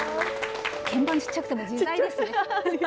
鍵盤ちっちゃくても自在ですね。